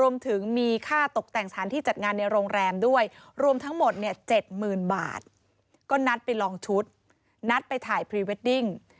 รวมถึงมีค่าตกแต่งสถานที่จัดงานในโรงแรมด้วยรวมทั้งหมดเนี่ย๗๐๐๐บาทก็นัดไปลองชุดนัดไปถ่ายพรีเวดดิ้ง